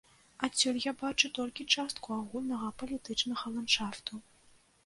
Адсюль я бачу толькі частку агульнага палітычнага ландшафту.